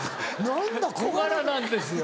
小柄なんですよ。